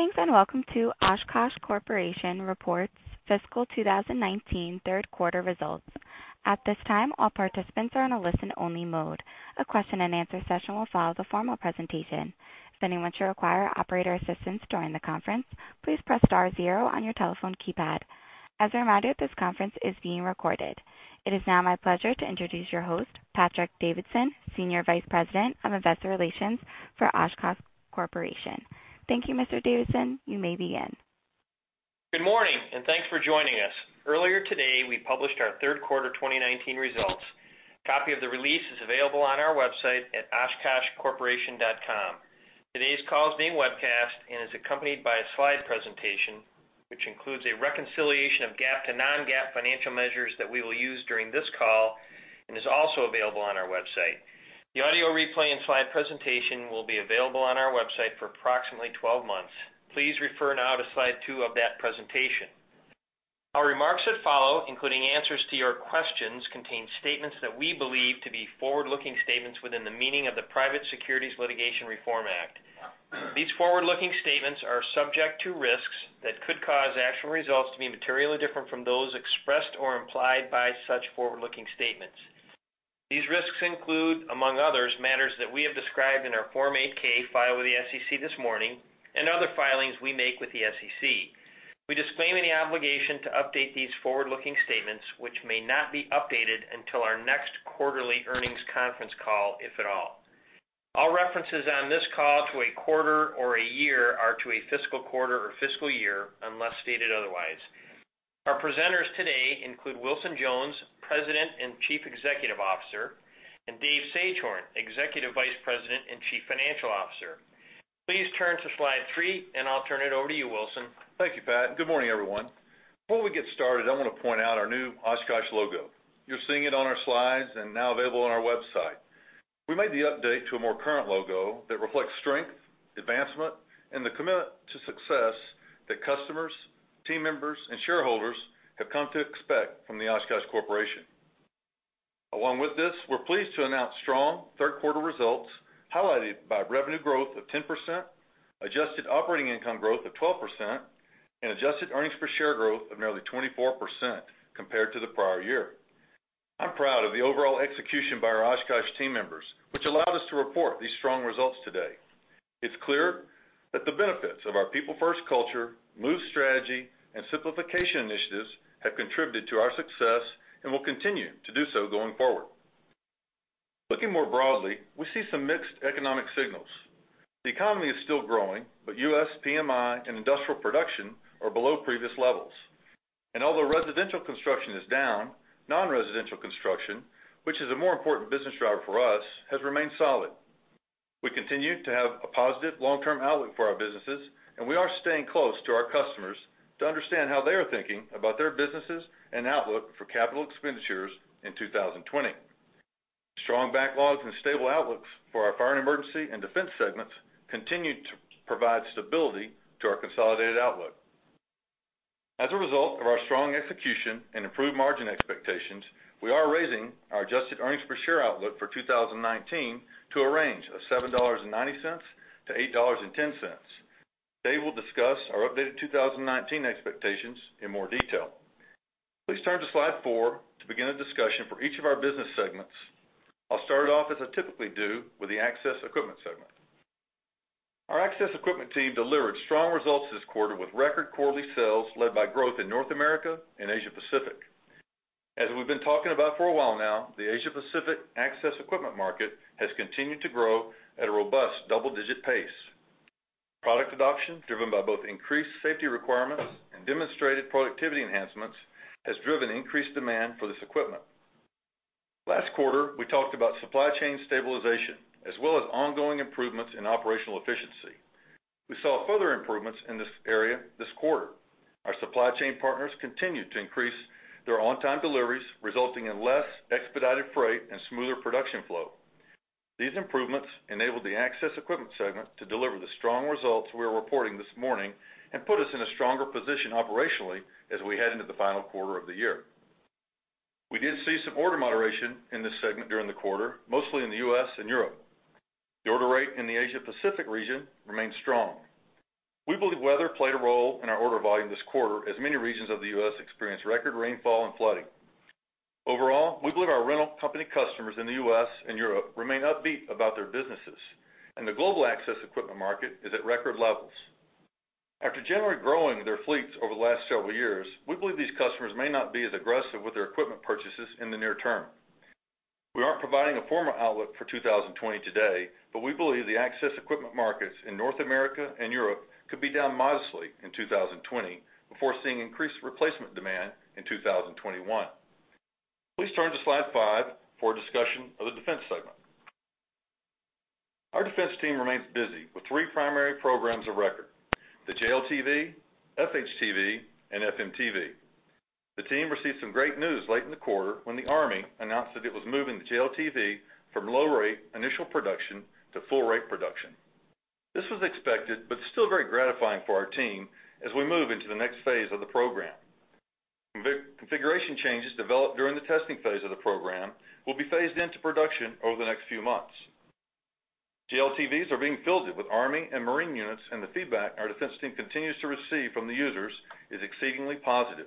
Greetings, and welcome to Oshkosh Corporation Reports Fiscal 2019 Third Quarter Results. At this time, all participants are on a listen-only mode. A question-and-answer session will follow the formal presentation. If anyone should require operator assistance during the conference, please press star zero on your telephone keypad. As a reminder, this conference is being recorded. It is now my pleasure to introduce your host, Patrick Davidson, Senior Vice President of Investor Relations for Oshkosh Corporation. Thank you, Mr. Davidson. You may begin. Good morning, and thanks for joining us. Earlier today, we published our third quarter 2019 results. A copy of the release is available on our website at oshkoshcorporation.com. Today's call is being webcast and is accompanied by a slide presentation, which includes a reconciliation of GAAP to non-GAAP financial measures that we will use during this call and is also available on our website. The audio replay and slide presentation will be available on our website for approximately 12 months. Please refer now to slide two of that presentation. Our remarks that follow, including answers to your questions, contain statements that we believe to be forward-looking statements within the meaning of the Private Securities Litigation Reform Act. These forward-looking statements are subject to risks that could cause actual results to be materially different from those expressed or implied by such forward-looking statements. These risks include, among others, matters that we have described in our Form 8-K filed with the SEC this morning and other filings we make with the SEC. We disclaim any obligation to update these forward-looking statements, which may not be updated until our next quarterly earnings conference call, if at all. All references on this call to a quarter or a year are to a fiscal quarter or fiscal year, unless stated otherwise. Our presenters today include Wilson Jones, President and Chief Executive Officer, and Dave Sagehorn, Executive Vice President and Chief Financial Officer. Please turn to slide three, and I'll turn it over to you, Wilson. Thank you, Pat. Good morning, everyone. Before we get started, I want to point out our new Oshkosh logo. You're seeing it on our slides and now available on our website. We made the update to a more current logo that reflects strength, advancement, and the commitment to success that customers, team members, and shareholders have come to expect from the Oshkosh Corporation. Along with this, we're pleased to announce strong third quarter results, highlighted by revenue growth of 10%, adjusted operating income growth of 12%, and adjusted earnings per share growth of nearly 24% compared to the prior year. I'm proud of the overall execution by our Oshkosh team members, which allowed us to report these strong results today. It's clear that the benefits of our people-first culture, MOVE strategy, and simplification initiatives have contributed to our success and will continue to do so going forward. Looking more broadly, we see some mixed economic signals. The economy is still growing, but U.S. PMI and industrial production are below previous levels. And although residential construction is down, non-residential construction, which is a more important business driver for us, has remained solid. We continue to have a positive long-term outlook for our businesses, and we are staying close to our customers to understand how they are thinking about their businesses and outlook for capital expenditures in 2020. Strong backlogs and stable outlooks for our Fire and Emergency and Defense segments continue to provide stability to our consolidated outlook. As a result of our strong execution and improved margin expectations, we are raising our adjusted earnings per share outlook for 2019 to a range of $7.90-$8.10. Dave will discuss our updated 2019 expectations in more detail. Please turn to slide four to begin a discussion for each of our business segments. I'll start off, as I typically do, with the Access Equipment segment. Our Access Equipment team delivered strong results this quarter, with record quarterly sales led by growth in North America and Asia-Pacific. As we've been talking about for a while now, the Asia-Pacific Access Equipment market has continued to grow at a robust double-digit pace. Product adoption, driven by both increased safety requirements and demonstrated productivity enhancements, has driven increased demand for this equipment. Last quarter, we talked about supply chain stabilization as well as ongoing improvements in operational efficiency. We saw further improvements in this area this quarter. Our supply chain partners continued to increase their on-time deliveries, resulting in less expedited freight and smoother production flow. These improvements enabled the Access Equipment segment to deliver the strong results we are reporting this morning and put us in a stronger position operationally as we head into the final quarter of the year. We did see some order moderation in this segment during the quarter, mostly in the U.S. and Europe. The order rate in the Asia-Pacific region remains strong. We believe weather played a role in our order volume this quarter, as many regions of the U.S. experienced record rainfall and flooding. Overall, we believe our rental company customers in the U.S. and Europe remain upbeat about their businesses, and the global access equipment market is at record levels. After generally growing their fleets over the last several years, we believe these customers may not be as aggressive with their equipment purchases in the near term. We aren't providing a formal outlook for 2020 today, but we believe the Access Equipment markets in North America and Europe could be down modestly in 2020 before seeing increased replacement demand in 2021. Please turn to slide five for a discussion of the Defense segment. Our Defense team remains busy with three primary programs of record: the JLTV, FHTV, and FMTV. The team received some great news late in the quarter when the Army announced that it was moving the JLTV from low rate initial production to full rate production. This was expected but still very gratifying for our team as we move into the next phase of the program. Configuration changes developed during the testing phase of the program will be phased into production over the next few months. JLTVs are being fielded with Army and Marine units, and the feedback our Defense team continues to receive from the users is exceedingly positive.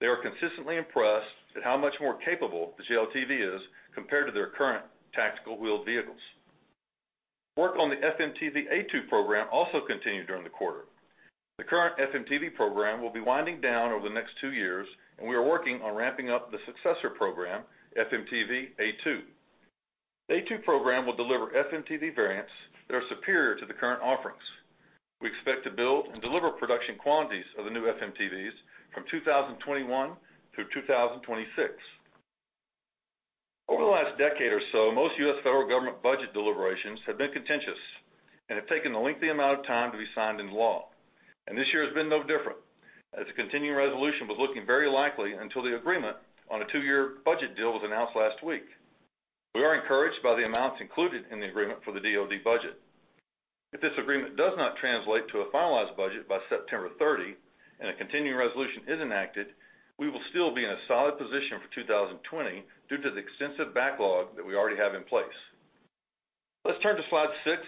They are consistently impressed at how much more capable the JLTV is compared to their current tactical wheeled vehicles. Work on the FMTV A2 program also continued during the quarter. The current FMTV program will be winding down over the next two years, and we are working on ramping up the successor program, FMTV A2. The A2 program will deliver FMTV variants that are superior to the current offerings. We expect to build and deliver production quantities of the new FMTVs from 2021 through 2026. Over the last decade or so, most U.S. federal government budget deliberations have been contentious and have taken a lengthy amount of time to be signed into law. This year has been no different, as a continuing resolution was looking very likely until the agreement on a two-year budget deal was announced last week. We are encouraged by the amounts included in the agreement for the DoD budget. If this agreement does not translate to a finalized budget by September 30, and a continuing resolution is enacted, we will still be in a solid position for 2020 due to the extensive backlog that we already have in place. Let's turn to slide six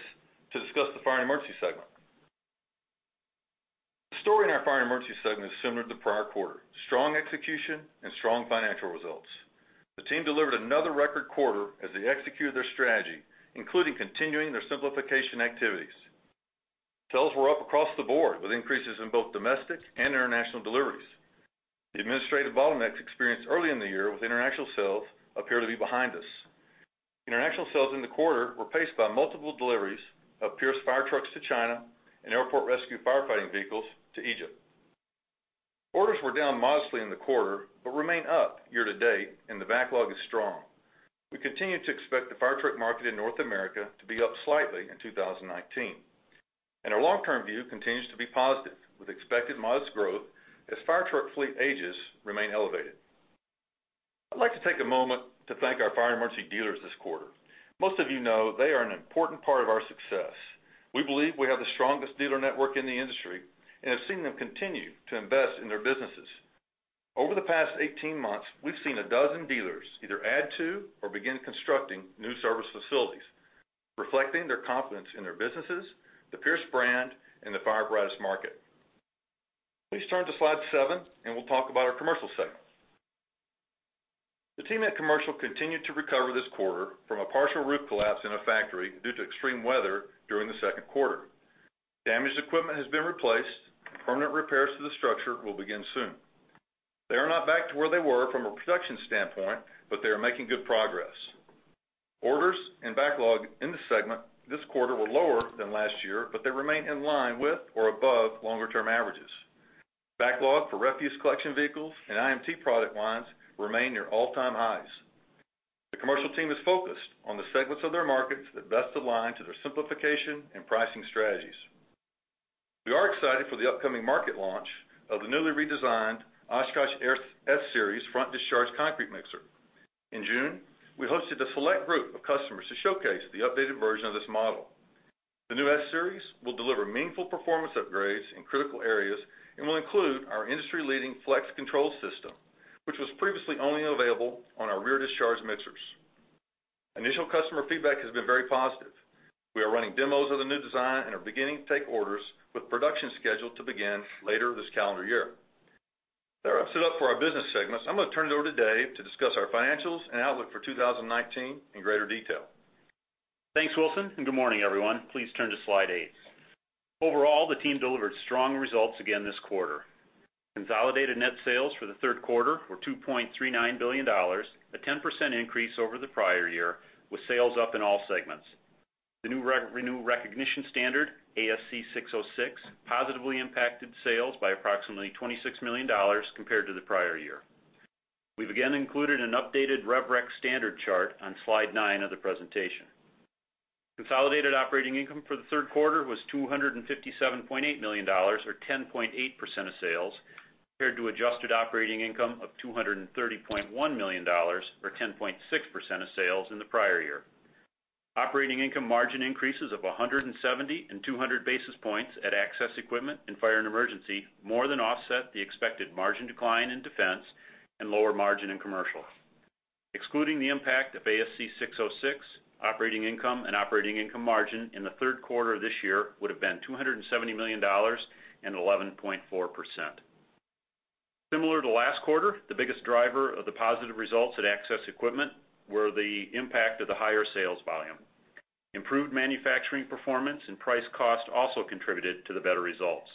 to discuss the Fire and Emergency segment. The story in our Fire and Emergency segment is similar to the prior quarter: strong execution and strong financial results. The team delivered another record quarter as they executed their strategy, including continuing their simplification activities. Sales were up across the board, with increases in both domestic and international deliveries. The administrative bottlenecks experienced early in the year with international sales appear to be behind us. International sales in the quarter were paced by multiple deliveries of Pierce fire trucks to China and airport rescue firefighting vehicles to Egypt. Orders were down modestly in the quarter, but remain up year to date, and the backlog is strong. We continue to expect the fire truck market in North America to be up slightly in 2019. Our long-term view continues to be positive, with expected modest growth as fire truck fleet ages remain elevated. I'd like to take a moment to thank our Fire and Emergency dealers this quarter. Most of you know they are an important part of our success. We believe we have the strongest dealer network in the industry and have seen them continue to invest in their businesses. Over the past 18 months, we've seen 12 dealers either add to or begin constructing new service facilities, reflecting their confidence in their businesses, the Pierce brand, and the fire apparatus market. Please turn to slide seven, and we'll talk about our Commercial segment. The team at Commercial continued to recover this quarter from a partial roof collapse in a factory due to extreme weather during the second quarter. Damaged equipment has been replaced, and permanent repairs to the structure will begin soon. They are not back to where they were from a production standpoint, but they are making good progress. Orders and backlog in the segment this quarter were lower than last year, but they remain in line with or above longer-term averages. Backlog for refuse collection vehicles and IMT product lines remain near all-time highs. The commercial team is focused on the segments of their markets that best align to their simplification and pricing strategies. We are excited for the upcoming market launch of the newly redesigned Oshkosh S-Series Front Discharge Mixer. In June, we hosted a select group of customers to showcase the updated version of this model. The new S-Series will deliver meaningful performance upgrades in critical areas and will include our industry-leading FLEX Control system, which was previously only available on our rear discharge mixers. Initial customer feedback has been very positive. We are running demos of the new design and are beginning to take orders, with production scheduled to begin later this calendar year. That wraps it up for our business segments. I'm going to turn it over to Dave to discuss our financials and outlook for 2019 in greater detail. Thanks, Wilson, and good morning, everyone. Please turn to slide eight. Overall, the team delivered strong results again this quarter. Consolidated net sales for the third quarter were $2.39 billion, a 10% increase over the prior year, with sales up in all segments. The new re- new recognition standard, ASC 606, positively impacted sales by approximately $26 million compared to the prior year. We've again included an updated rev rec standard chart on slide nine of the presentation. Consolidated operating income for the third quarter was $257.8 million, or 10.8% of sales, compared to adjusted operating income of $230.1 million, or 10.6% of sales in the prior year. Operating income margin increases of 170 and 200 basis points at Access Equipment and Fire and Emergency more than offset the expected margin decline in Defense and lower margin in Commercial. Excluding the impact of ASC 606, operating income and operating income margin in the third quarter of this year would have been $270 million and 11.4%. Similar to last quarter, the biggest driver of the positive results at Access Equipment were the impact of the higher sales volume. Improved manufacturing performance and price cost also contributed to the better results.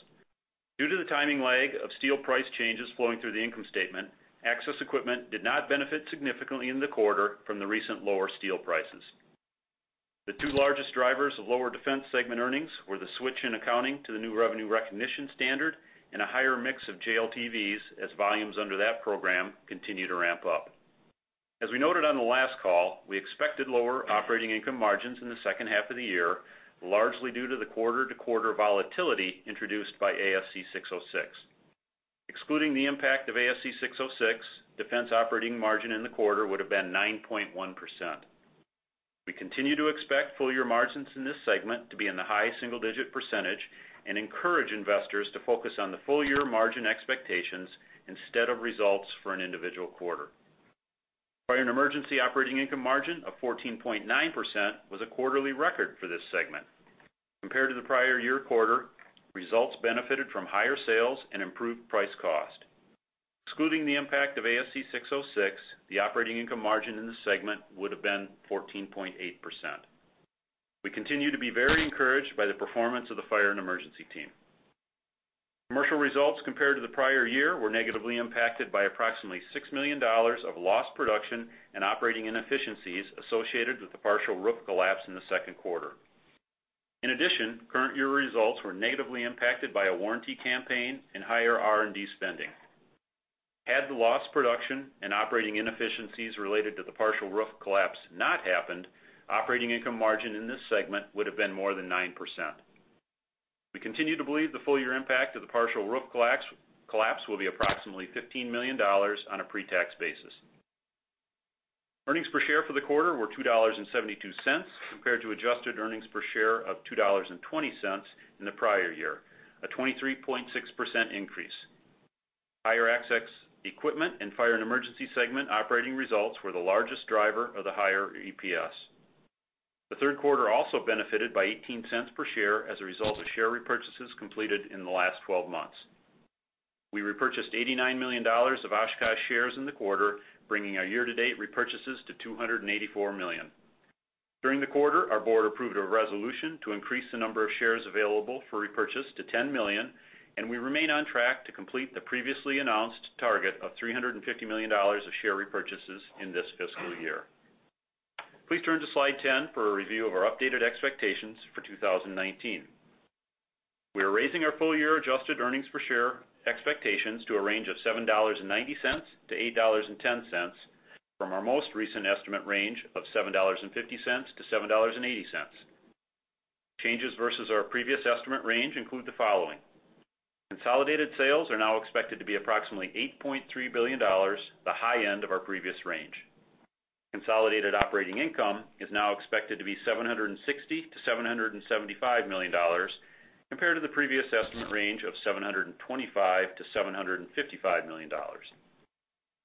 Due to the timing lag of steel price changes flowing through the income statement, Access Equipment did not benefit significantly in the quarter from the recent lower steel prices. The two largest drivers of lower Defense segment earnings were the switch in accounting to the new revenue recognition standard and a higher mix of JLTVs as volumes under that program continue to ramp up. As we noted on the last call, we expected lower operating income margins in the second half of the year, largely due to the quarter-to-quarter volatility introduced by ASC 606. Excluding the impact of ASC 606, Defense operating margin in the quarter would have been 9.1%. We continue to expect full year margins in this segment to be in the high single-digit percentage and encourage investors to focus on the full year margin expectations instead of results for an individual quarter. Fire and Emergency operating income margin of 14.9% was a quarterly record for this segment. Compared to the prior-year quarter, results benefited from higher sales and improved price cost. Excluding the impact of ASC 606, the operating income margin in this segment would have been 14.8%. We continue to be very encouraged by the performance of the Fire and Emergency team. Commercial results compared to the prior year were negatively impacted by approximately $6 million of lost production and operating inefficiencies associated with the partial roof collapse in the second quarter. In addition, current-year results were negatively impacted by a warranty campaign and higher R&D spending. Had the lost production and operating inefficiencies related to the partial roof collapse not happened, operating income margin in this segment would have been more than 9%. We continue to believe the full-year impact of the partial roof collapse will be approximately $15 million on a pre-tax basis. Earnings per share for the quarter were $2.72, compared to adjusted earnings per share of $2.20 in the prior year, a 23.6% increase. Higher Access Equipment and Fire and Emergency segment operating results were the largest driver of the higher EPS. The third quarter also benefited by $0.18 per share as a result of share repurchases completed in the last 12 months. We repurchased $89 million of Oshkosh shares in the quarter, bringing our year-to-date repurchases to $284 million. During the quarter, our board approved a resolution to increase the number of shares available for repurchase to 10 million, and we remain on track to complete the previously announced target of $350 million of share repurchases in this fiscal year. Please turn to slide 10 for a review of our updated expectations for 2019. We are raising our full year adjusted earnings per share expectations to a range of $7.90-$8.10 from our most recent estimate range of $7.50-$7.80. Changes versus our previous estimate range include the following: consolidated sales are now expected to be approximately $8.3 billion, the high end of our previous range. Consolidated operating income is now expected to be $760 million-$775 million, compared to the previous estimate range of $725 million-$755 million.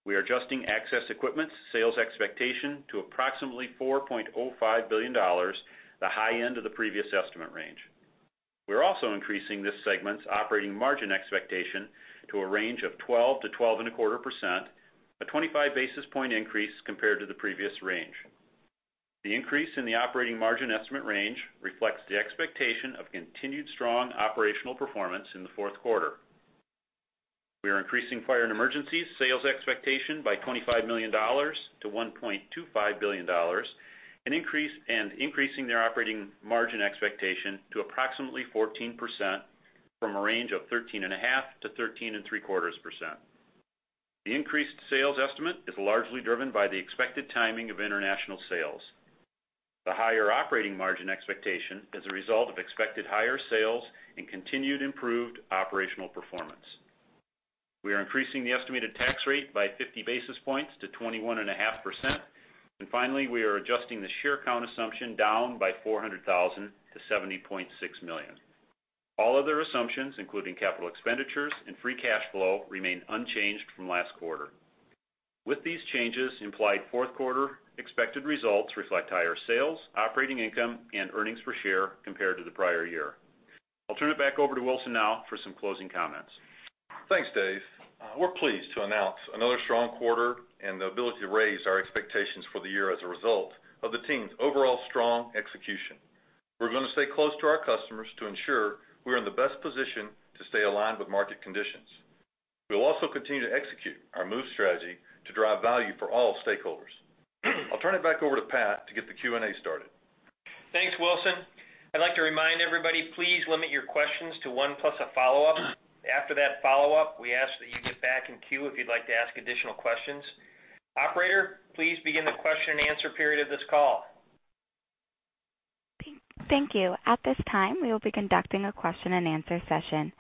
We are adjusting Access Equipment's sales expectation to approximately $4.05 billion, the high end of the previous estimate range. We're also increasing this segment's operating margin expectation to a range of 12%-12.25%, a 25 basis point increase compared to the previous range. The increase in the operating margin estimate range reflects the expectation of continued strong operational performance in the fourth quarter. We are increasing Fire and Emergency's sales expectation by $25 million to $1.25 billion, an increase and increasing their operating margin expectation to approximately 14% from a range of 13.5%-13.75%. The increased sales estimate is largely driven by the expected timing of international sales. The higher operating margin expectation is a result of expected higher sales and continued improved operational performance. We are increasing the estimated tax rate by 50 basis points to 21.5%. Finally, we are adjusting the share count assumption down by 400,000 to 70.6 million. All other assumptions, including capital expenditures and free cash flow, remain unchanged from last quarter. With these changes, implied fourth quarter expected results reflect higher sales, operating income, and earnings per share compared to the prior year. I'll turn it back over to Wilson now for some closing comments. Thanks, Dave. We're pleased to announce another strong quarter and the ability to raise our expectations for the year as a result of the team's overall strong execution. We're going to stay close to our customers to ensure we're in the best position to stay aligned with market conditions. We'll also continue to execute our MOVE strategy to drive value for all stakeholders. I'll turn it back over to Pat to get the Q&A started. Thanks, Wilson. I'd like to remind everybody, please limit your questions to one plus a follow-up. After that follow-up, we ask that you get back in queue if you'd like to ask additional questions. Operator, please begin the question-and-answer period of this call. Thank you. At this time, we will be conducting a question-and-answer session.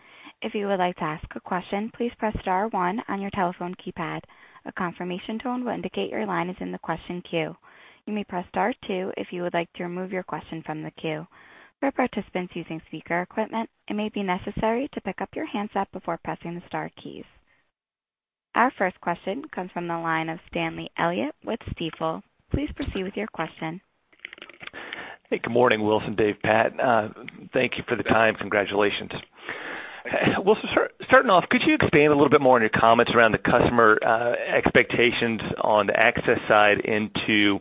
If you would like to ask a question, please press star one on your telephone keypad. A confirmation tone will indicate your line is in the question queue. You may press star two if you would like to remove your question from the queue. For participants using speaker equipment, it may be necessary to pick up your handset before pressing the star keys. Our first question comes from the line of Stanley Elliott with Stifel. Please proceed with your question. Hey, good morning, Wilson, Dave, Pat. Thank you for the time. Congratulations. Wilson, starting off, could you expand a little bit more on your comments around the customer expectations on the access side into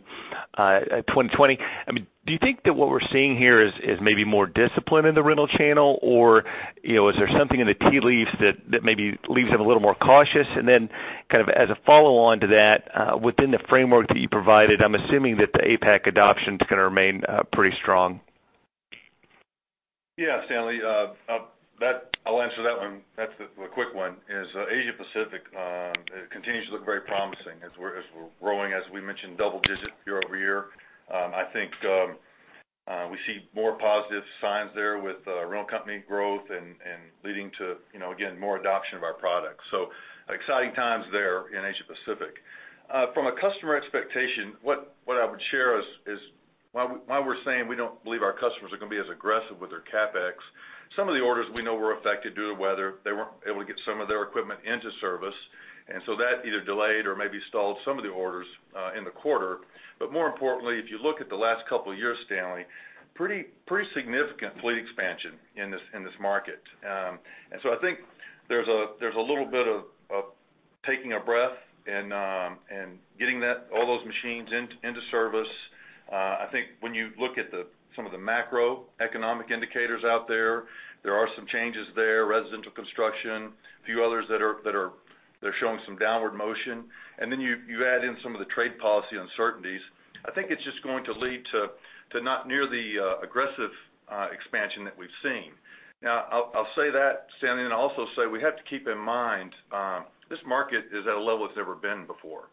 2020? I mean, do you think that what we're seeing here is maybe more discipline in the rental channel, or, you know, is there something in the tea leaves that maybe leaves them a little more cautious? And then kind of as a follow-on to that, within the framework that you provided, I'm assuming that the APAC adoption is going to remain pretty strong. Yeah, Stanley, that. I'll answer that one. That's a quick one, is Asia-Pacific continues to look very promising as we're growing, as we mentioned, double digits year-over-year. I think we see more positive signs there with rental company growth and leading to, you know, again, more adoption of our products. So exciting times there in Asia-Pacific. From a customer expectation, what I would share is while we're saying we don't believe our customers are going to be as aggressive with their CapEx, some of the orders we know were affected due to weather. They weren't able to get some of their equipment into service, and so that either delayed or maybe stalled some of the orders in the quarter. But more importantly, if you look at the last couple of years, Stanley, pretty significant fleet expansion in this market. And so I think there's a little bit of taking a breath and getting that—all those machines into service. I think when you look at some of the macroeconomic indicators out there, there are some changes there, residential construction, a few others that are showing some downward motion. And then you add in some of the trade policy uncertainties. I think it's just going to lead to not near the aggressive expansion that we've seen. Now, I'll say that, Stanley, and I'll also say we have to keep in mind this market is at a level it's never been before.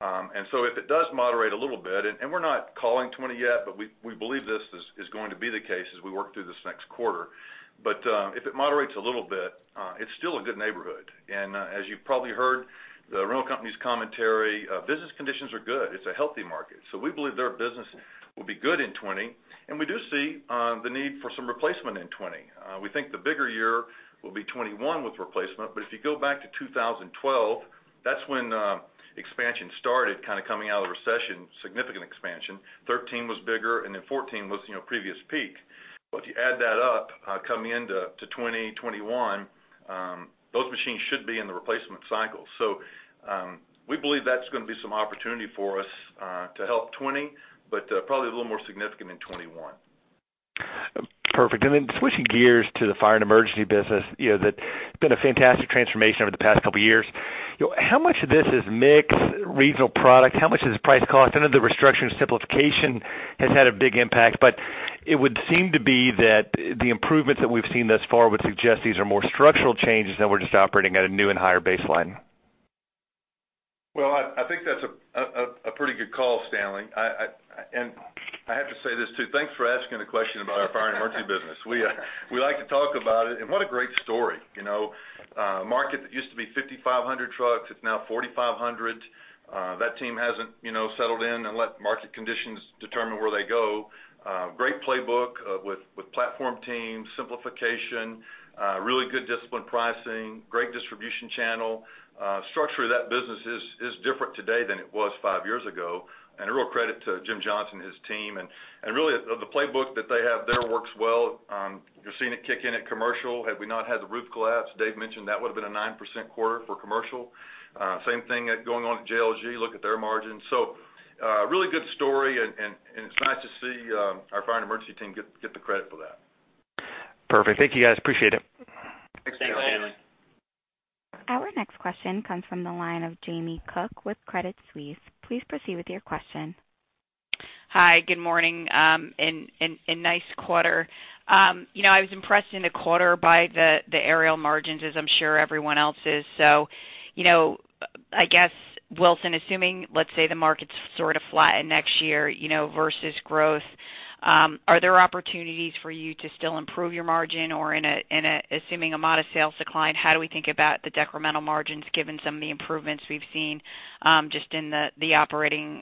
And so if it does moderate a little bit, and we're not calling 2020 yet, but we believe this is going to be the case as we work through this next quarter. But if it moderates a little bit, it's still a good neighborhood. And as you've probably heard, the rental company's commentary, business conditions are good. It's a healthy market. So we believe their business will be good in 2020, and we do see the need for some replacement in 2020. We think the bigger year will be 2021 with replacement, but if you go back to 2012, that's when expansion started, kind of coming out of the recession, significant expansion. 2013 was bigger, and then 2014 was, you know, previous peak. But if you add that up, coming into 2020, 2021, those machines should be in the replacement cycle. So, we believe that's going to be some opportunity for us, to help 2020, but, probably a little more significant in 2021. Perfect. And then switching gears to the Fire and Emergency business, you know, that's been a fantastic transformation over the past couple of years. How much of this is mix, regional product? How much is price cost? I know the restructure and simplification has had a big impact, but it would seem to be that the improvements that we've seen thus far would suggest these are more structural changes than we're just operating at a new and higher baseline. Well, I think that's a pretty good call, Stanley. I have to say this, too. Thanks for asking a question about our Fire and Emergency business. We like to talk about it, and what a great story, you know? Market that used to be 5,500 trucks, it's now 4,500. That team hasn't, you know, settled in and let market conditions determine where they go. Great playbook with platform teams, simplification, really good disciplined pricing, great distribution channel. Structure of that business is different today than it was five years ago, and a real credit to Jim Johnson and his team. Really, the playbook that they have there works well. You're seeing it kick in at Commercial. Had we not had the roof collapse, Dave mentioned that would have been a 9% quarter for Commercial. Same thing going on at JLG, look at their margins. So, really good story and it's nice to see our Fire and Emergency team get the credit for that. Perfect. Thank you, guys. Appreciate it. Thanks, Stanley. Our next question comes from the line of Jamie Cook with Credit Suisse. Please proceed with your question. Hi, good morning, and nice quarter. You know, I was impressed in the quarter by the aerial margins, as I'm sure everyone else is. So, you know, I guess, Wilson, assuming, let's say, the market's sort of flat next year, you know, versus growth, are there opportunities for you to still improve your margin? Or in a assuming a modest sales decline, how do we think about the decremental margins, given some of the improvements we've seen, just in the operating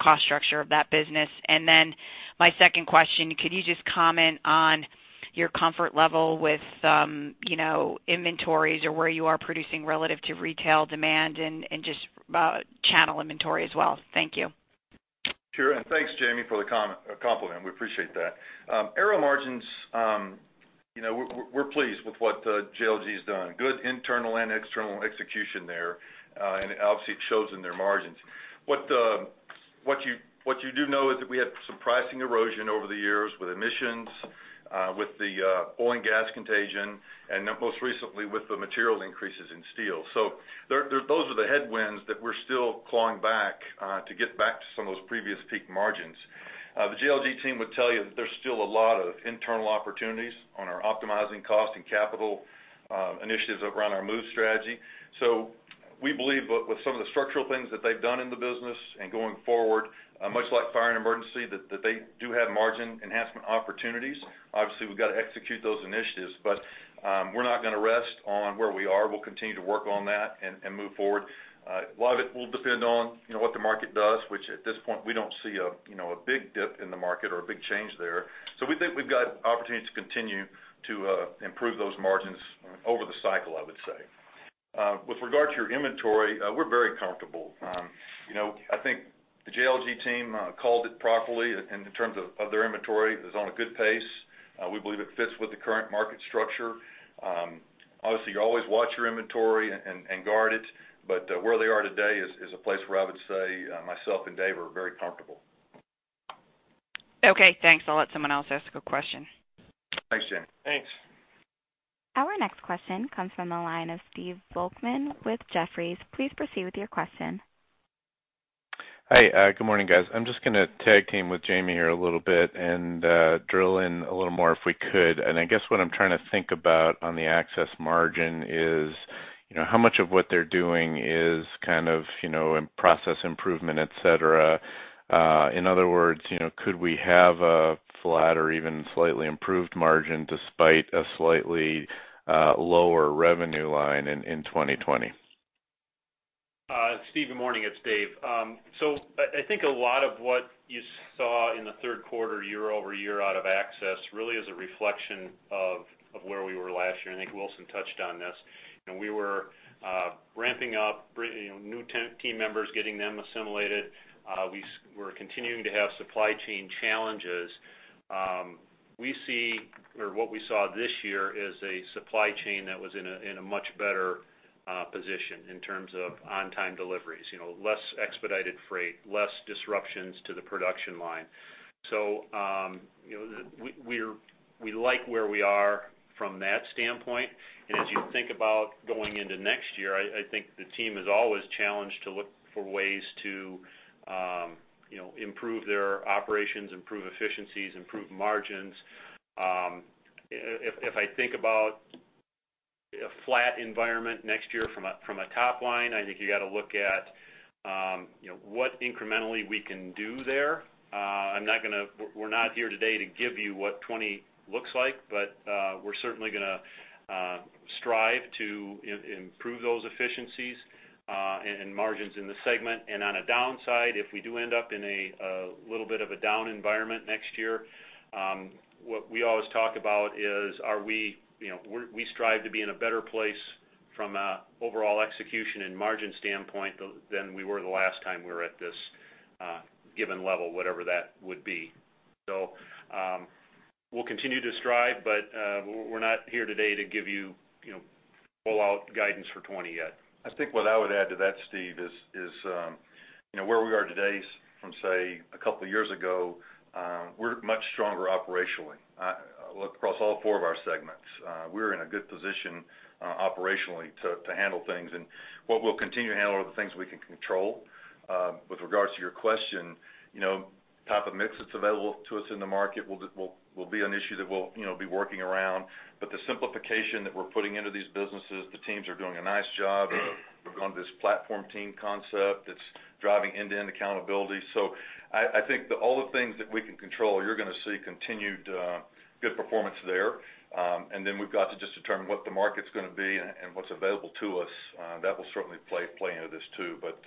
cost structure of that business? And then my second question, could you just comment on your comfort level with some, you know, inventories or where you are producing relative to retail demand and just channel inventory as well? Thank you. Sure. And thanks, Jamie, for the compliment. We appreciate that. Aerial margins, you know, we're pleased with what JLG has done. Good internal and external execution there, and obviously, it shows in their margins. What you do know is that we had some pricing erosion over the years with emissions, with the oil and gas contagion, and then most recently, with the material increases in steel. So those are the headwinds that we're still clawing back to get back to some of those previous peak margins. The JLG team would tell you that there's still a lot of internal opportunities on our optimizing cost and capital, initiatives around our MOVE strategy. So we believe with some of the structural things that they've done in the business and going forward, much like Fire and Emergency, that they do have margin enhancement opportunities. Obviously, we've got to execute those initiatives, but we're not going to rest on where we are. We'll continue to work on that and move forward. A lot of it will depend on, you know, what the market does, which at this point, we don't see a big dip in the market or a big change there. So we think we've got opportunities to continue to improve those margins over the cycle, I would say. With regard to your inventory, we're very comfortable. You know, I think the JLG team called it properly in terms of their inventory. It's on a good pace. We believe it fits with the current market structure. Obviously, you always watch your inventory and guard it, but where they are today is a place where I would say myself and Dave are very comfortable. Okay, thanks. I'll let someone else ask a question. Thanks, Jamie. Thanks. Our next question comes from the line of Steve Volkmann with Jefferies. Please proceed with your question. Hi, good morning, guys. I'm just gonna tag team with Jamie here a little bit and, drill in a little more, if we could. And I guess what I'm trying to think about on the Access margin is... you know, how much of what they're doing is kind of, you know, in process improvement, et cetera? In other words, you know, could we have a flat or even slightly improved margin despite a slightly, lower revenue line in 2020? Steve, good morning, it's Dave. So I think a lot of what you saw in the third quarter, year-over-year out of access, really is a reflection of where we were last year, and I think Wilson touched on this. And we were ramping up, bringing new team members, getting them assimilated. We're continuing to have supply chain challenges. We see, or what we saw this year, is a supply chain that was in a much better position in terms of on-time deliveries. You know, less expedited freight, less disruptions to the production line. So you know, we like where we are from that standpoint. As you think about going into next year, I think the team is always challenged to look for ways to, you know, improve their operations, improve efficiencies, improve margins. If I think about a flat environment next year from a top line, I think you gotta look at, you know, what incrementally we can do there. I'm not gonna—we're not here today to give you what 2020 looks like, but we're certainly gonna strive to improve those efficiencies and margins in the segment. On a downside, if we do end up in a little bit of a down environment next year, what we always talk about is, are we, you know, we strive to be in a better place from an overall execution and margin standpoint, than we were the last time we were at this given level, whatever that would be. So, we'll continue to strive, but, we're not here today to give you, you know, full out guidance for 2020 yet. I think what I would add to that, Steve, is you know, where we are today from, say, a couple of years ago, we're much stronger operationally across all four of our segments. We're in a good position operationally to handle things. And what we'll continue to handle are the things we can control. With regards to your question, you know, type of mix that's available to us in the market will be an issue that we'll, you know, be working around. But the simplification that we're putting into these businesses, the teams are doing a nice job on this platform team concept that's driving end-to-end accountability. So I think that all the things that we can control, you're gonna see continued good performance there. And then we've got to just determine what the market's gonna be and what's available to us. That will certainly play into this, too. But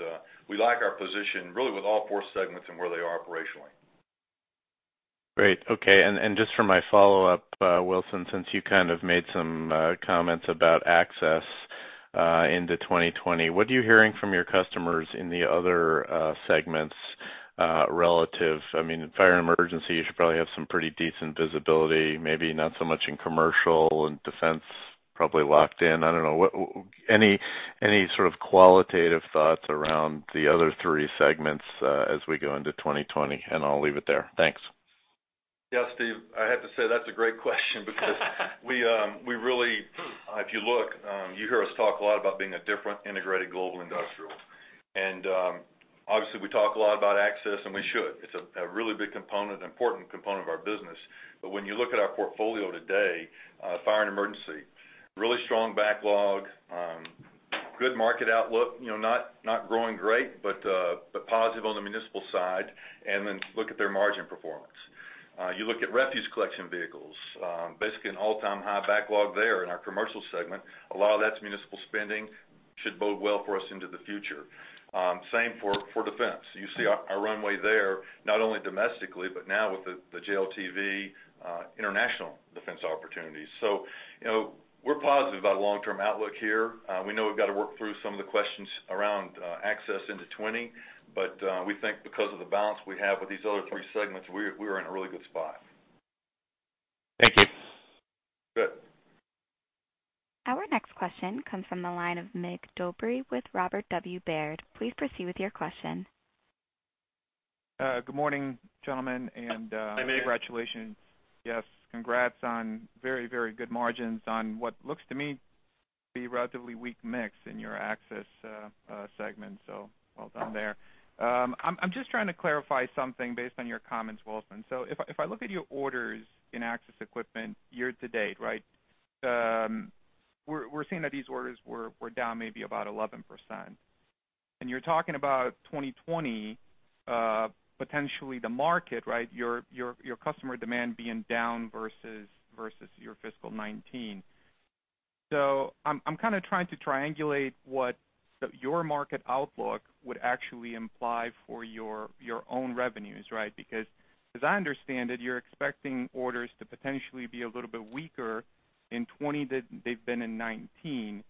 we like our position, really, with all four segments and where they are operationally. Great, okay. And just for my follow-up, Wilson, since you kind of made some comments about access into 2020. What are you hearing from your customers in the other segments relative... I mean, in Fire and Emergency, you should probably have some pretty decent visibility, maybe not so much in commercial and defense, probably locked in. I don't know, any sort of qualitative thoughts around the other three segments as we go into 2020? And I'll leave it there. Thanks. Yeah, Steve, I have to say that's a great question, because we really, if you look, you hear us talk a lot about being a different integrated global industrial. And, obviously, we talk a lot about access, and we should. It's a really big component, an important component of our business. But when you look at our portfolio today, Fire and Emergency, really strong backlog, good market outlook, you know, not growing great, but positive on the municipal side. And then look at their margin performance. You look at refuse collection vehicles, basically an all-time high backlog there in our Commercial segment. A lot of that's municipal spending, should bode well for us into the future. Same for Defense. You see our, our runway there, not only domestically, but now with the JLTV, international defense opportunities. So you know, we're positive about long-term outlook here. We know we've got to work through some of the questions around access into 2020, but we think because of the balance we have with these other three segments, we're, we are in a really good spot. Thank you. Good. Our next question comes from the line of Mig Dobre with Robert W. Baird. Please proceed with your question. Good morning, gentlemen, and Hi, Mig. Congratulations. Yes, congrats on very, very good margins on what looks to me to be relatively weak mix in your Access Equipment segment. So well done there. I'm just trying to clarify something based on your comments, Wilson. So if I look at your orders in Access Equipment year to date, right? We're seeing that these orders were down maybe about 11%. And you're talking about 2020 potentially the market, right? Your customer demand being down versus your fiscal 2019. So I'm kind of trying to triangulate what your market outlook would actually imply for your own revenues, right? Because as I understand it, you're expecting orders to potentially be a little bit weaker in 2020 than they've been in 2019.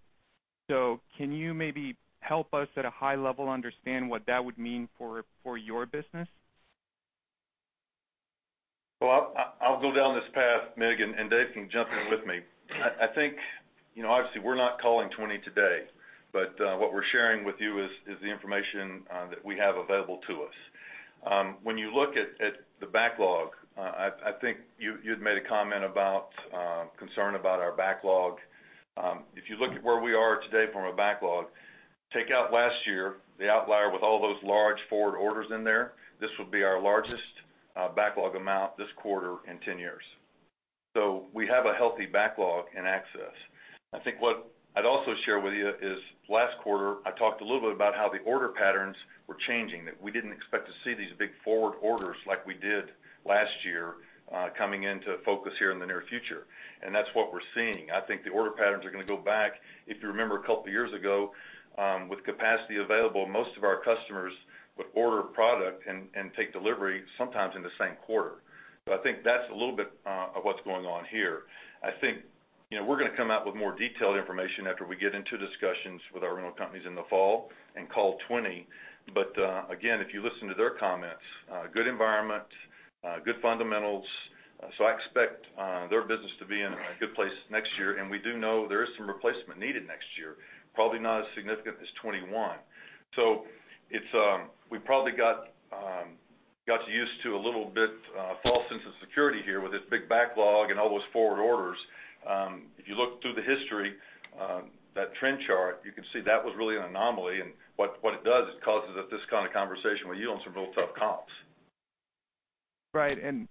Can you maybe help us, at a high level, understand what that would mean for, for your business? Well, I'll go down this path, Mig, and Dave can jump in with me. I think, you know, obviously, we're not calling 20 today, but what we're sharing with you is the information that we have available to us. When you look at the backlog, I think you you'd made a comment about concern about our backlog. If you look at where we are today from a backlog, take out last year, the outlier with all those large forward orders in there, this would be our largest backlog amount this quarter in 10 years. So we have a healthy backlog in Access. I think what I'd also share with you is, last quarter, I talked a little bit about how the order patterns were changing, that we didn't expect to see these big forward orders like we did last year, coming into focus here in the near future. That's what we're seeing. I think the order patterns are gonna go back. If you remember, a couple of years ago, with capacity available, most of our customers would order a product and take delivery sometimes in the same quarter. So I think that's a little bit of what's going on here. I think, you know, we're gonna come out with more detailed information after we get into discussions with our rental companies in the fall and Q4 2020. But again, if you listen to their comments, good environment, good fundamentals. So I expect their business to be in a good place next year, and we do know there is some replacement needed next year, probably not as significant as 2021. So it's we probably got used to a little bit false sense of security here with this big backlog and all those forward orders. If you look through the history, that trend chart, you can see that was really an anomaly. And what it does, it causes this kind of conversation with you on some real tough comps. Right. And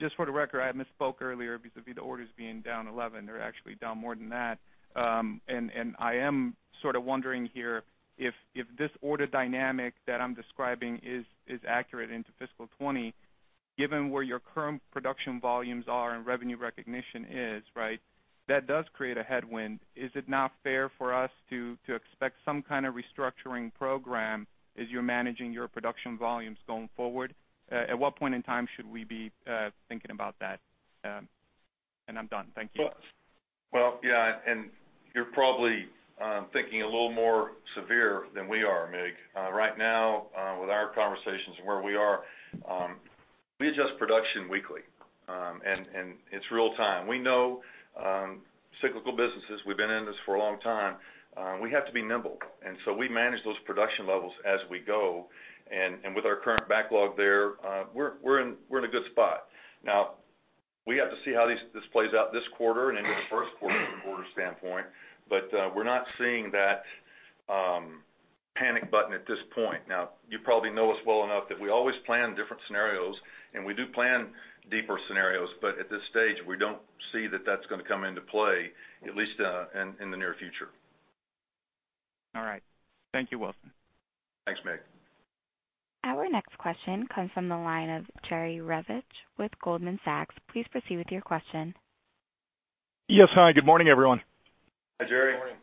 just for the record, I misspoke earlier vis-à-vis the orders being down 11. They're actually down more than that. And I am sort of wondering here, if this order dynamic that I'm describing is accurate into fiscal 2020, given where your current production volumes are and revenue recognition is, right? That does create a headwind. Is it not fair for us to expect some kind of restructuring program as you're managing your production volumes going forward? At what point in time should we be thinking about that? And I'm done. Thank you. Well, yeah, and you're probably thinking a little more severe than we are, Mig. Right now, with our conversations and where we are, we adjust production weekly, and it's real-time. We know cyclical businesses. We've been in this for a long time, we have to be nimble, and so we manage those production levels as we go. And with our current backlog there, we're in a good spot. Now, we have to see how this plays out this quarter and into the first quarter from an order standpoint, but we're not seeing that panic button at this point. Now, you probably know us well enough that we always plan different scenarios, and we do plan deeper scenarios, but at this stage, we don't see that that's gonna come into play, at least in the near future. All right. Thank you, Wilson. Thanks, Mig. Our next question comes from the line of Jerry Revich with Goldman Sachs. Please proceed with your question. Yes. Hi, good morning, everyone. Hi, Jerry. Good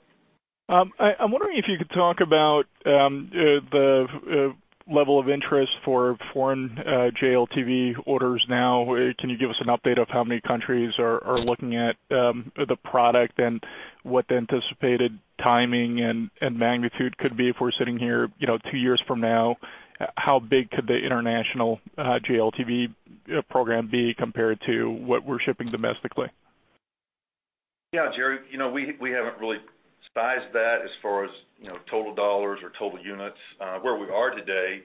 morning. I'm wondering if you could talk about the level of interest for foreign JLTV orders now. Can you give us an update of how many countries are looking at the product and what the anticipated timing and magnitude could be if we're sitting here, you know, two years from now? How big could the international JLTV program be compared to what we're shipping domestically? Yeah, Jerry. You know, we haven't really sized that as far as, you know, total dollars or total units. Where we are today,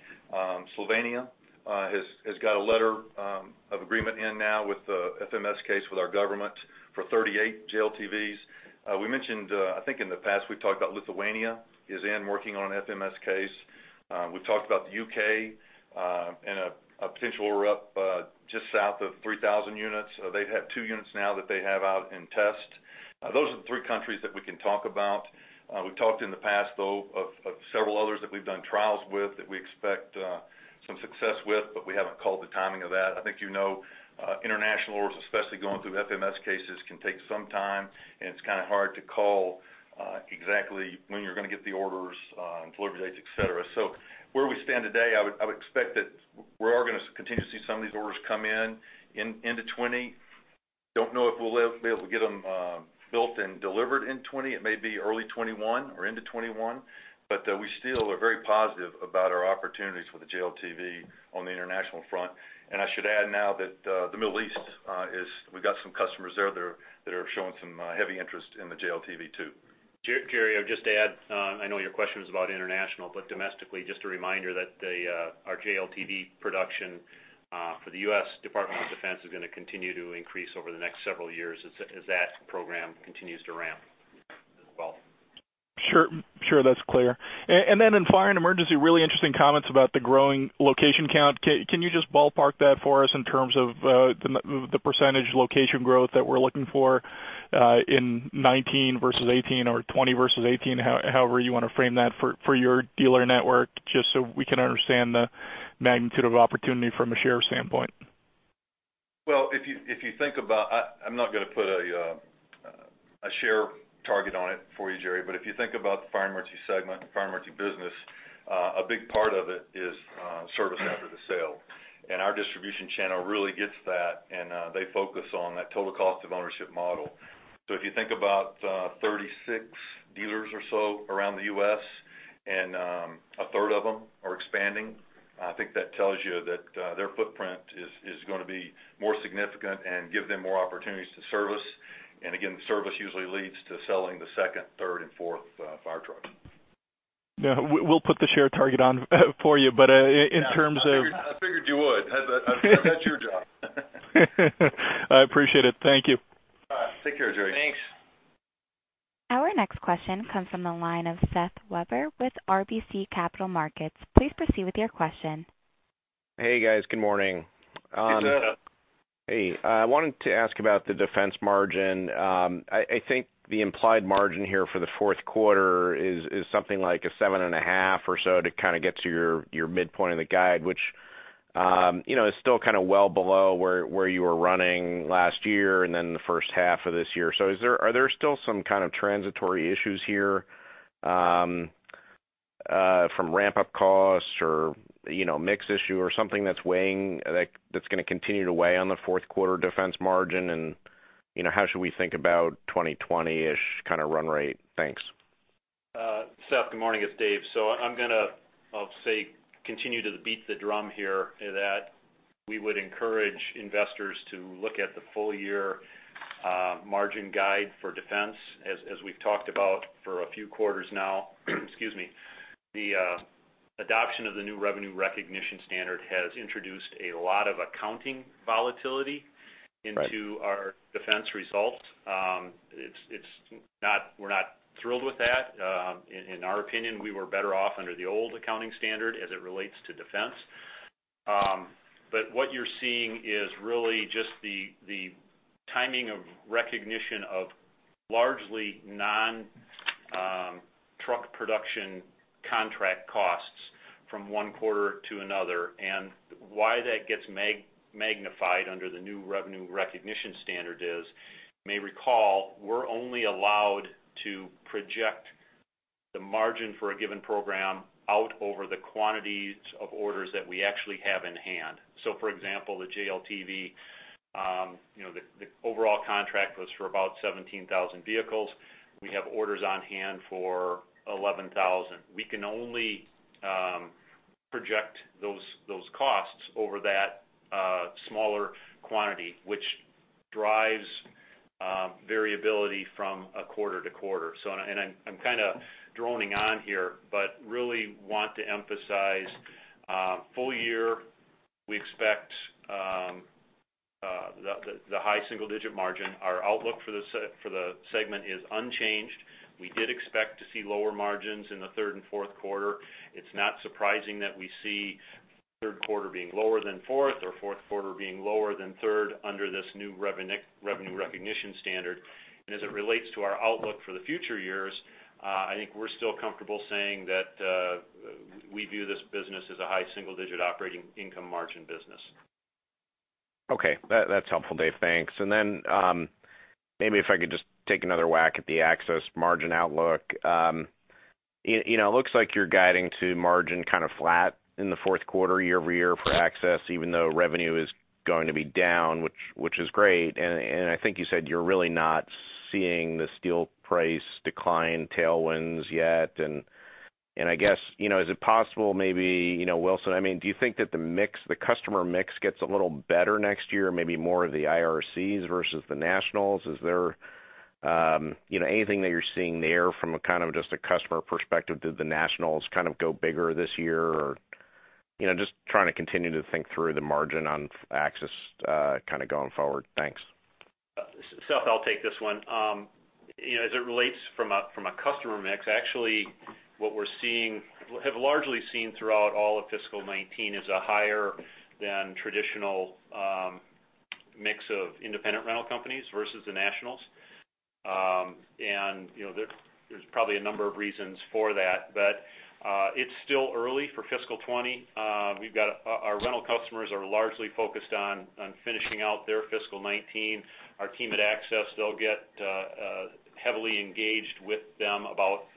Slovenia has got a letter of agreement in now with the FMS case, with our government for 38 JLTVs. We mentioned, I think in the past, we've talked about Lithuania is in working on an FMS case. We talked about the U.K. and a potential req just south of 3,000 units. They've had two units now that they have out in test. Those are the three countries that we can talk about. We've talked in the past, though, of several others that we've done trials with, that we expect some success with, but we haven't called the timing of that. I think you know, international orders, especially going through FMS cases, can take some time, and it's kinda hard to call exactly when you're gonna get the orders, delivery dates, et cetera. So where we stand today, I would expect that we're all gonna continue to see some of these orders come in into 2020. Don't know if we'll be able to get them built and delivered in 2020. It may be early 2021 or into 2021, but we still are very positive about our opportunities with the JLTV on the international front. And I should add now that the Middle East is. We've got some customers there that are showing some heavy interest in the JLTV, too. Jerry, I'll just add, I know your question is about international, but domestically, just a reminder that our JLTV production for the U.S. Department of Defense is gonna continue to increase over the next several years as that program continues to ramp as well. Sure, sure. That's clear. Then in Fire and Emergency, really interesting comments about the growing location count. Can you just ballpark that for us in terms of the percentage location growth that we're looking for in 2019 versus 2018 or 2020 versus 2018? However you want to frame that for your dealer network, just so we can understand the magnitude of opportunity from a share standpoint. Well, if you think about, I'm not gonna put a share target on it for you, Jerry, but if you think about the Fire and Emergency segment, the Fire and Emergency business, a big part of it is service after the sale. And our distribution channel really gets that, and they focus on that total cost of ownership model. So if you think about 36 dealers or so around the U.S., and a third of them are expanding, I think that tells you that their footprint is gonna be more significant and give them more opportunities to service. And again, service usually leads to selling the second, third, and fourth fire trucks. Yeah, we'll put the share target on for you, but in terms of- I figured you would. That's, that's your job. I appreciate it. Thank you. Take care, Jerry. Thanks. Our next question comes from the line of Seth Weber with RBC Capital Markets. Please proceed with your question. Hey, guys, good morning. Hey, Seth. Hey, I wanted to ask about the Defense margin. I think the implied margin here for the fourth quarter is something like 7.5 or so to kind of get to your midpoint of the guide, which, you know, is still kind of well below where you were running last year and then the first half of this year. So, are there still some kind of transitory issues here from ramp-up costs or, you know, mix issue or something that's weighing that's gonna continue to weigh on the fourth quarter Defense margin? And, you know, how should we think about 2020-ish kind of run rate? Thanks. Seth, good morning, it's Dave. So I'm gonna, I'll say, continue to beat the drum here, that we would encourage investors to look at the full year, margin guide for Defense. As we've talked about for a few quarters now, excuse me, the adoption of the new revenue recognition standard has introduced a lot of accounting volatility- Right... into our Defense results. It's not- we're not thrilled with that. In our opinion, we were better off under the old accounting standard as it relates to Defense. But what you're seeing is really just the timing of recognition of largely non-truck production contract costs from one quarter to another. And why that gets magnified under the new revenue recognition standard is, you may recall, we're only allowed to project the margin for a given program out over the quantities of orders that we actually have in hand. So for example, the JLTV, you know, the overall contract was for about 17,000 vehicles. We have orders on hand for 11,000. We can only project those costs over that smaller quantity, which drives variability from a quarter to quarter. So, I'm kind of droning on here, but really want to emphasize, full year, we expect, the high single digit margin. Our outlook for the segment is unchanged. We did expect to see lower margins in the third and fourth quarter. It's not surprising that we see third quarter being lower than fourth or fourth quarter being lower than third under this new revenue recognition standard. And as it relates to our outlook for the future years, I think we're still comfortable saying that, we view this business as a high single-digit operating income margin business. Okay. That, that's helpful, Dave, thanks. And then, maybe if I could just take another whack at the Access margin outlook. You know, it looks like you're guiding to margin kind of flat in the fourth quarter, year-over-year for Access, even though revenue is going to be down, which, which is great. And, and I think you said you're really not seeing the steel price decline tailwinds yet. And, and I guess, you know, is it possible, maybe, you know, Wilson, I mean, do you think that the mix, the customer mix gets a little better next year, maybe more of the IRCs versus the nationals? Is there, you know, anything that you're seeing there from a kind of just a customer perspective, did the nationals kind of go bigger this year? Or, you know, just trying to continue to think through the margin on Access, kind of going forward. Thanks. Seth, I'll take this one. You know, as it relates from a, from a customer mix, actually, what we're seeing, have largely seen throughout all of fiscal 2019 is a higher than traditional mix of independent rental companies versus the nationals. And, you know, there, there's probably a number of reasons for that, but it's still early for fiscal 2020. We've got our rental customers are largely focused on finishing out their fiscal 2019. Our team at Access, they'll get heavily engaged with them about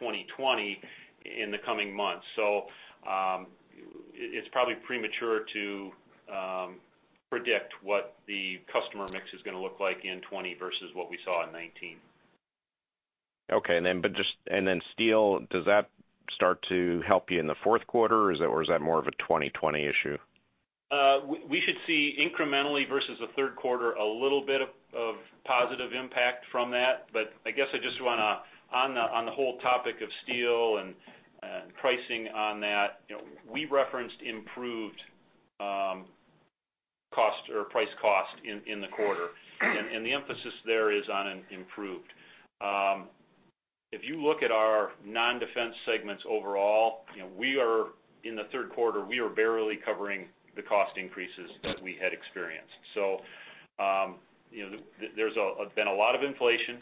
2020 in the coming months. So it's probably premature to predict what the customer mix is gonna look like in 2020 versus what we saw in 2019. Okay. But just, steel, does that start to help you in the fourth quarter, or is that more of a 2020 issue? We should see incrementally versus the third quarter a little bit of positive impact from that. But I guess I just wanna on the whole topic of steel and pricing on that, you know, we referenced improved cost or price cost in the quarter. And the emphasis there is on an improved. If you look at our non-defense segments overall, you know, we are in the third quarter we are barely covering the cost increases that we had experienced. So, you know, there's been a lot of inflation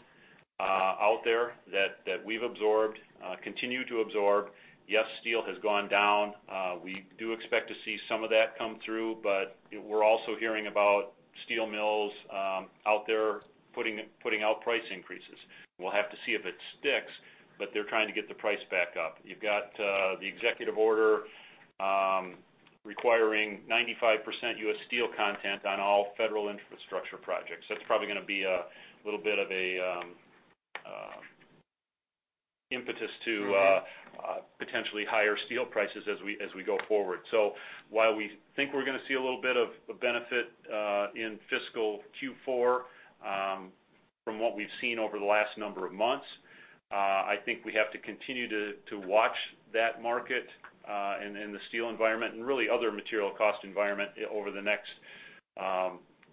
out there that we've absorbed continue to absorb. Yes, steel has gone down. We do expect to see some of that come through, but we're also hearing about steel mills out there putting out price increases. We'll have to see if it sticks, but they're trying to get the price back up. You've got the executive order requiring 95% U.S. steel content on all federal infrastructure projects. So it's probably gonna be a little bit of a impetus to potentially higher steel prices as we go forward. So while we think we're gonna see a little bit of a benefit in fiscal Q4 from what we've seen over the last number of months, I think we have to continue to watch that market and the steel environment and really other material cost environment over the next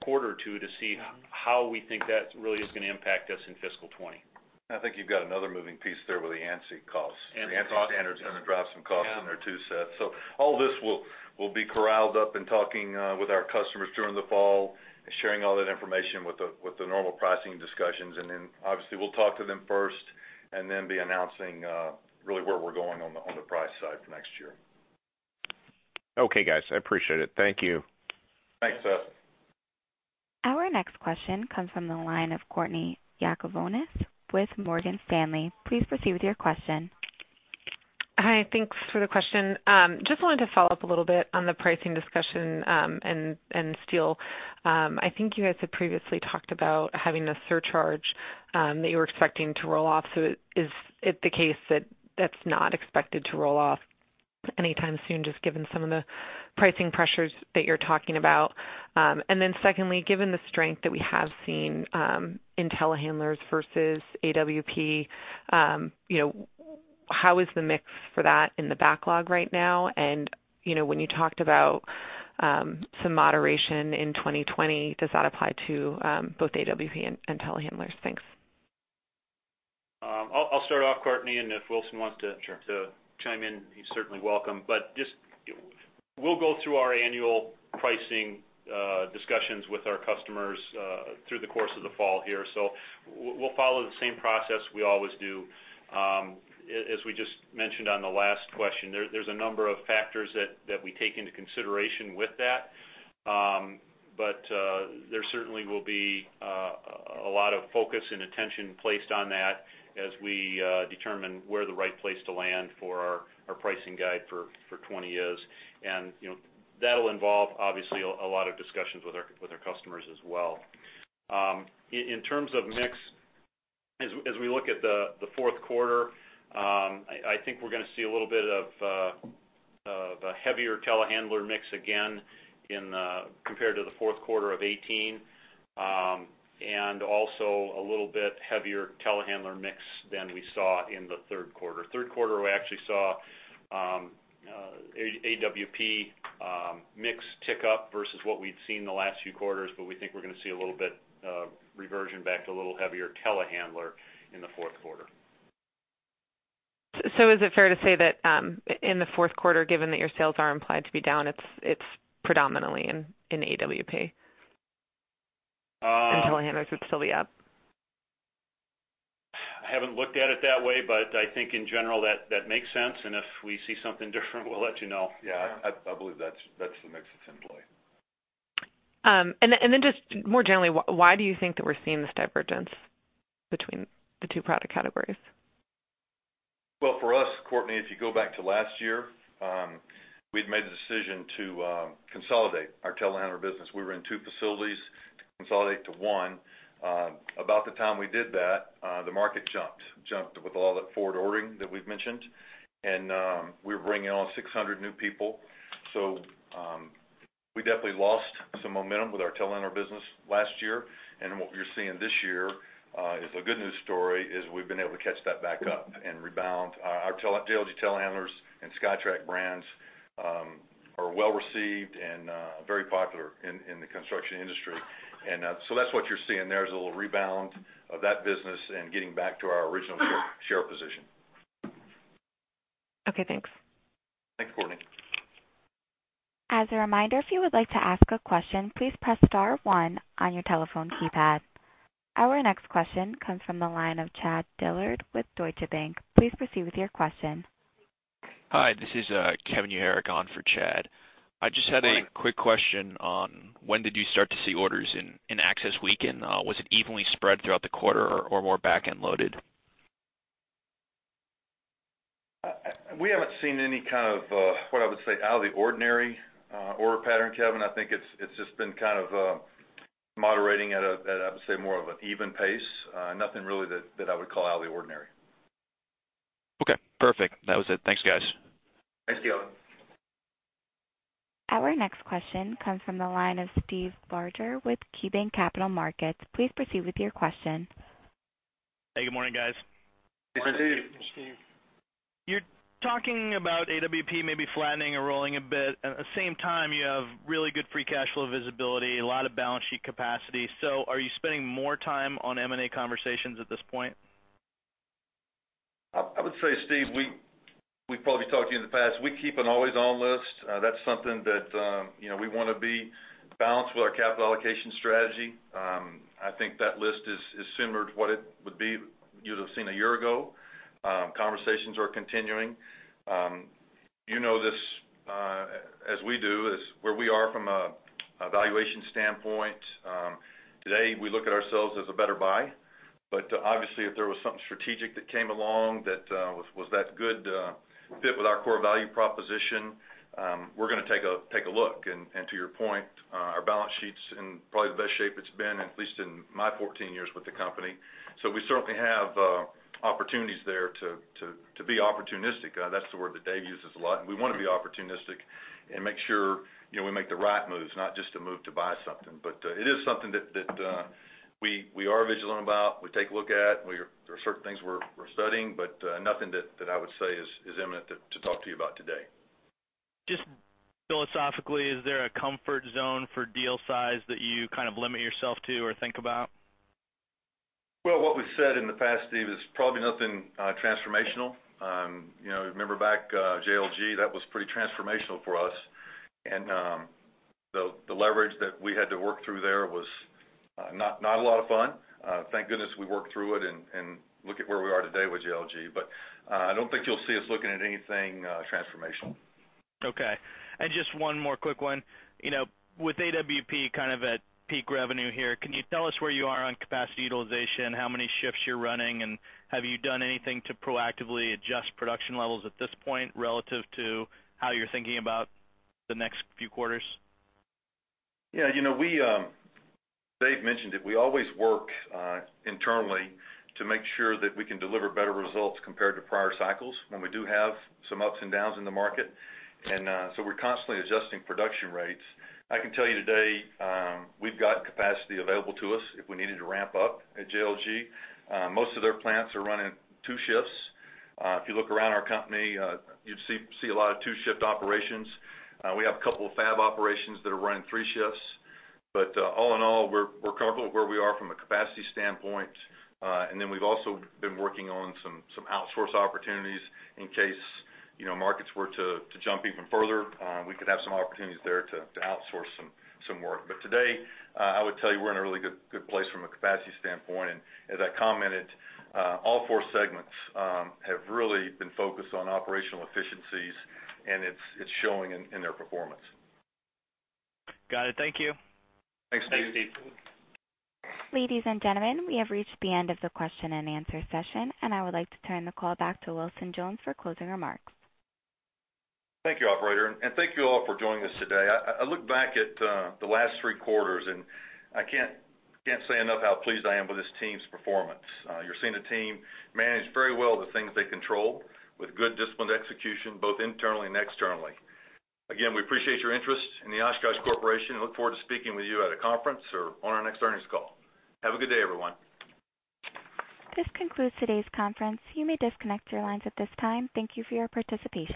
quarter or two to see how we think that really is going to impact us in fiscal 2020. I think you've got another moving piece there with the ANSI costs. Yeah. The ANSI standard is going to drive some costs- Yeah in there, too, Seth. So all this will, will be corralled up in talking with our customers during the fall and sharing all that information with the, with the normal pricing discussions. And then, obviously, we'll talk to them first and then be announcing really where we're going on the, on the price side for next year. Okay, guys. I appreciate it. Thank you. Thanks, Seth. Our next question comes from the line of Courtney Yakavonis with Morgan Stanley. Please proceed with your question. Hi, thanks for the question. Just wanted to follow up a little bit on the pricing discussion, and steel. I think you guys had previously talked about having a surcharge that you were expecting to roll off. So is it the case that that's not expected to roll off anytime soon, just given some of the pricing pressures that you're talking about? And then secondly, given the strength that we have seen in telehandlers versus AWP, you know, how is the mix for that in the backlog right now? And, you know, when you talked about some moderation in 2020, does that apply to both AWP and telehandlers? Thanks. I'll start off, Courtney, and if Wilson wants to- Sure to chime in, he's certainly welcome. But just, we'll go through our annual pricing discussions with our customers through the course of the fall here. So we'll follow the same process we always do. As we just mentioned on the last question, there's a number of factors that we take into consideration with that. But there certainly will be a lot of focus and attention placed on that as we determine where the right place to land for our pricing guide for 2020 is. And, you know, that'll involve, obviously, a lot of discussions with our customers as well. In terms of mix, as we look at the fourth quarter, I think we're gonna see a little bit of a heavier telehandler mix again, compared to the fourth quarter of 2018. And also a little bit heavier telehandler mix than we saw in the third quarter. Third quarter, we actually saw AWP mix tick up versus what we'd seen the last few quarters, but we think we're gonna see a little bit of reversion back to a little heavier telehandler in the fourth quarter. So is it fair to say that in the fourth quarter, given that your sales are implied to be down, it's predominantly in AWP? Uh. Telehandlers would still be up. I haven't looked at it that way, but I think in general, that, that makes sense. And if we see something different, we'll let you know. Yeah. Yeah. I believe that's the mix assembly. And then just more generally, why do you think that we're seeing this divergence between the two product categories? Well, for us, Courtney, if you go back to last year, we'd made the decision to consolidate our telehandler business. We were in two facilities to consolidate to one. About the time we did that, the market jumped. Jumped with all that forward ordering that we've mentioned, and we were bringing on 600 new people. So, we definitely lost some momentum with our telehandler business last year, and what we're seeing this year is a good news story, is we've been able to catch that back up and rebound. Our JLG telehandlers and SkyTrak brands are well received and very popular in the construction industry. And so that's what you're seeing there, is a little rebound of that business and getting back to our original share, share position. Okay, thanks. Thanks, Courtney. As a reminder, if you would like to ask a question, please press star one on your telephone keypad. Our next question comes from the line of Chad Dillard with Deutsche Bank. Please proceed with your question. Hi, this is, Kevin Uherek on for Chad. Morning. I just had a quick question on when did you start to see orders in access weaken? Was it evenly spread throughout the quarter or more back-end loaded? We haven't seen any kind of, what I would say, out of the ordinary, order pattern, Kevin. I think it's, it's just been kind of, moderating at a, at, I would say, more of an even pace. Nothing really that, that I would call out of the ordinary. Okay, perfect. That was it. Thanks, guys. Thanks, Kevin. Our next question comes from the line of Steve Barger with KeyBanc Capital Markets. Please proceed with your question. Hey, good morning, guys. Good morning, Steve. Morning, Steve. You're talking about AWP maybe flattening or rolling a bit. At the same time, you have really good free cash flow visibility, a lot of balance sheet capacity. So are you spending more time on M&A conversations at this point? I would say, Steve, we've probably talked to you in the past. We keep an always-on list. That's something that, you know, we want to be balanced with our capital allocation strategy. I think that list is similar to what it would be you'd have seen a year ago. Conversations are continuing. You know this, as we do, is where we are from a valuation standpoint. Today, we look at ourselves as a better buy. But, obviously, if there was something strategic that came along that was that good fit with our core value proposition, we're gonna take a look. And to your point, our balance sheet's in probably the best shape it's been, at least in my 14 years with the company. So we certainly have opportunities there to be opportunistic. That's the word that Dave uses a lot. We want to be opportunistic and make sure, you know, we make the right moves, not just to move to buy something. But it is something that we are vigilant about, we take a look at. We're there are certain things we're studying, but nothing that I would say is imminent to talk to you about today. Just philosophically, is there a comfort zone for deal size that you kind of limit yourself to or think about? Well, what we've said in the past, Steve, is probably nothing transformational. You know, remember back, JLG, that was pretty transformational for us. And, the leverage that we had to work through there was not a lot of fun. Thank goodness we worked through it and look at where we are today with JLG. But, I don't think you'll see us looking at anything transformational. Okay. And just one more quick one. You know, with AWP kind of at peak revenue here, can you tell us where you are on capacity utilization, how many shifts you're running? And have you done anything to proactively adjust production levels at this point, relative to how you're thinking about the next few quarters? Yeah, you know, we, Dave mentioned it, we always work internally to make sure that we can deliver better results compared to prior cycles when we do have some ups and downs in the market. And, so we're constantly adjusting production rates. I can tell you today, we've got capacity available to us if we needed to ramp up at JLG. Most of their plants are running two shifts. If you look around our company, you'd see a lot of two-shift operations. We have a couple of fab operations that are running three shifts. But, all in all, we're comfortable with where we are from a capacity standpoint. And then we've also been working on some outsource opportunities in case, you know, markets were to jump even further. We could have some opportunities there to outsource some work. But today, I would tell you we're in a really good place from a capacity standpoint. And as I commented, all four segments have really been focused on operational efficiencies, and it's showing in their performance. Got it. Thank you. Thanks, Steve. Thanks, Steve. Ladies and gentlemen, we have reached the end of the question-and-answer session, and I would like to turn the call back to Wilson Jones for closing remarks. Thank you, operator, and thank you all for joining us today. I look back at the last three quarters, and I can't say enough how pleased I am with this team's performance. You're seeing a team manage very well the things they control, with good, disciplined execution, both internally and externally. Again, we appreciate your interest in the Oshkosh Corporation and look forward to speaking with you at a conference or on our next earnings call. Have a good day, everyone. This concludes today's conference. You may disconnect your lines at this time. Thank you for your participation.